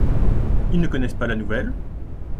Ils ne connaissent pas la nouvelle ?